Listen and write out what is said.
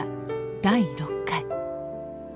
第６回。